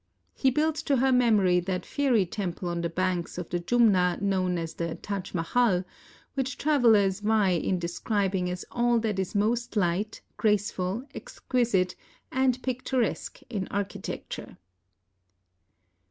He built to her memory that fairy temple on the banks of the Jumna known as the Taj Mahal, which travelers vie in describing as all that is most light, graceful, exquisite, and picturesque in architecture.